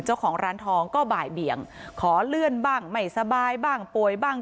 เจ้าของร้านทองก็บ่ายเบี่ยงขอเลื่อนบ้างไม่สบายบ้างป่วยบ้าง